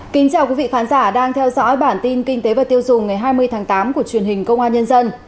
kính chào quý vị khán giả đang theo dõi bản tin kinh tế và tiêu dùng ngày hai mươi tháng tám của truyền hình công an nhân dân